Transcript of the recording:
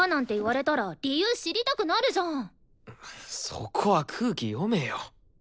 そこは空気読めよ。